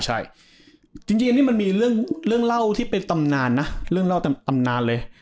ใช่จริงนี่มันมีเรื่องเล่าที่เป็นตำนานนะเรื่องเล่าตำนานเลย